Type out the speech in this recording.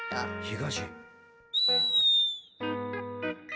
東。